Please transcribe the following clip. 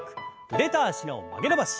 腕と脚の曲げ伸ばし。